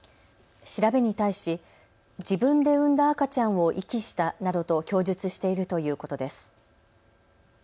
調べに対し自分で産んだ赤ちゃんを遺棄したなどと供述しているということです。